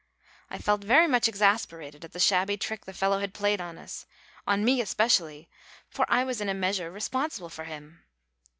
I felt very much exasperated at the shabby trick the fellow had played on us, on me especially, for I was in a measure responsible for him.